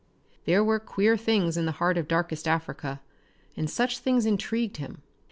There were queer things in the heart of darkest Africa, and such things intrigued him.